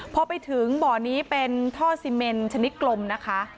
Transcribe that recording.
พอไปถึงบ่อนี้เป็นท่อซีเมนชนิดกลมนะคะ